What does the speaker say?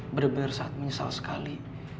bener bener sangat menyesal sekali